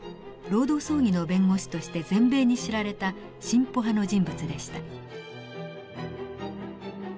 労働争議の弁護士として全米に知られた進歩派の人物でした。